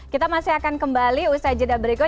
kita masih akan kembali usai jeda berikut